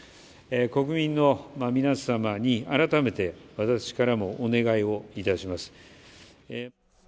国民の皆様に改めて、私からもお願いをいたします。